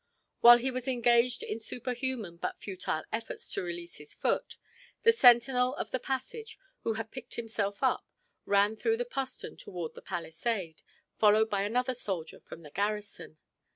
While he was engaged in superhuman but futile efforts to release his foot, the sentinel of the passage, who had picked himself up, ran through the postern toward the palisade, followed by another soldier from the garrison.